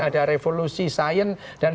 ada revolusi sains dan